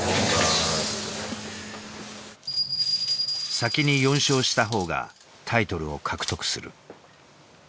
先に４勝した方がタイトルを獲得する。